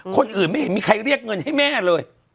คนอื่นไม่เห็นมีใครเรียกเงินให้แม่เลย